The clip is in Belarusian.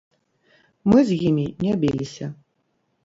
Мы з імі не біліся.